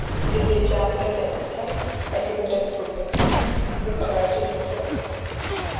Джы еджапӏэ дэмытэу Адыгэ Республикэм зы къуаджэ итэп.